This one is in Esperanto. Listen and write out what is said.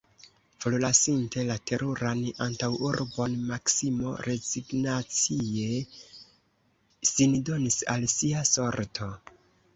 Forlasinte la teruran antaŭurbon, Maksimo rezignacie sin donis al sia sorto.